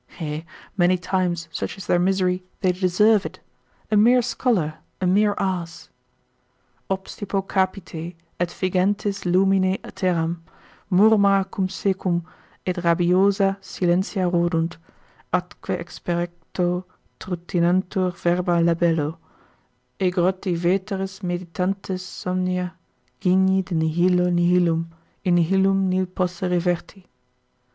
Yea, many times, such is their misery, they deserve it: a mere scholar, a mere ass. Obstipo capite, et figentes lumine terram, Murmura cum secum, et rabiosa silentia rodunt, Atque experrecto trutinantur verba labello, Aegroti veteris meditantes somnia, gigni De nihilo nihilum; in nihilum nil posse reverti.